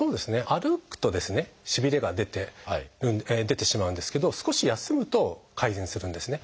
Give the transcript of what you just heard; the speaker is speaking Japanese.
歩くとしびれが出てしまうんですけど少し休むと改善するんですね。